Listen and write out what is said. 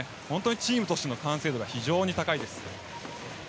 チームとしての完成度が非常に高いです。